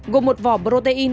gồm một vỏ protein